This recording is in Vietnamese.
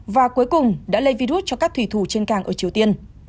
và cuối cùng đã lây virus cho các thủy thủ trên càng ở triều tiên